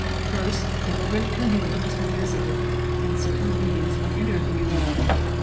First : Immigrant communities were visited and certain leaders were interviewed.